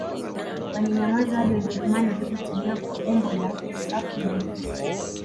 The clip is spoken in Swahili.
Walinyamaza hadi Wajerumani walipotembea kwa umbo la safu ndefu